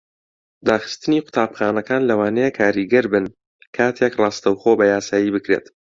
داخستنی قوتابخانەکان لەوانەیە کاریگەر بن کاتێک ڕاستەوخۆ بەیاسایی بکرێت.